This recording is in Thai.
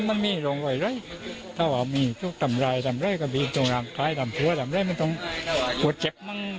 มันต้องเป็นแป้เป็นอะไรมั้ง